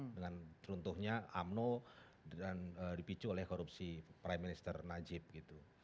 dengan teruntuhnya umno dan dipicu oleh korupsi prime minister najib gitu